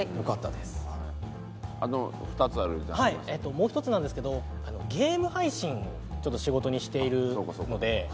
もう１つなんですけどゲーム配信を仕事にしているので。